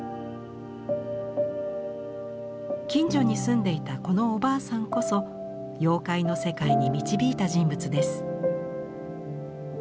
近所に住んでいたこのおばあさんこそ妖怪の世界に導いた人物です。